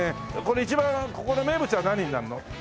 一番ここの名物は何になるの？